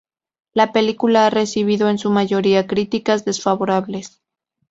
La película a recibido en su mayoría, críticas desfavorables.